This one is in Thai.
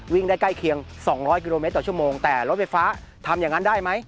วิ่งได้ใกล้เคียง๒๐๐กิโลเมตรต่อชั่วโมงแต่รถไฟฟ้าทำอย่างนั้นได้ไหม